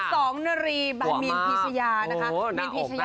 สองนเรียปาารมีนพี่ชายานะคะเหมาะมากหน้าอบหน้าใจ